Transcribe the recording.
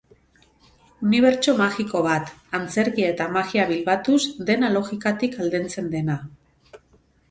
Unibertso magiko bat, antzerkia eta magia bilbatuz dena logikatik aldentzen dena.